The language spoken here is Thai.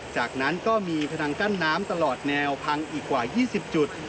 จากนั้นก็มีพนังกั้นน้ำตลอดแนวพังอีกกว่า๒๐จุด